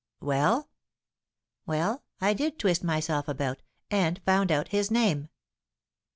'" "Well?" "Well, I did twist myself about, and found out his name."